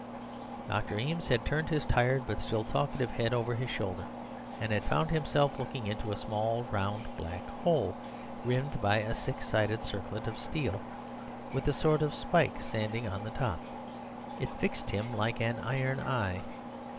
"Dr. Eames had turned his tired but still talkative head over his shoulder, and had found himself looking into a small round black hole, rimmed by a six sided circlet of steel, with a sort of spike standing up on the top. It fixed him like an iron eye.